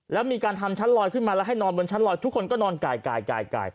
แล้วมีการทำชั้นลอยขึ้นมาแล้วให้นอนบนชั้นลอยทุกคนก็นอนไก่